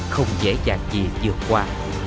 không dễ dàng gì vừa qua